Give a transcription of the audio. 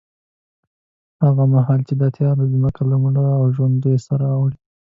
هغه مهال چې دا تیاره ځمکه له مړو او ژوندیو سره اوړي،